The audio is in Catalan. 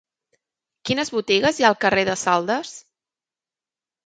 Quines botigues hi ha al carrer de Saldes?